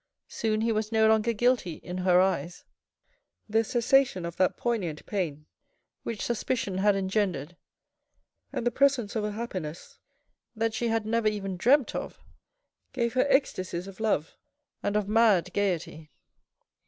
Soon he was no longer guilty in her eyes. The cessation of that poignant pain which suspicion had engendered and the presence of a happiness that she had never even dreamt of, gave her ecstasies of love and of mad gaiety.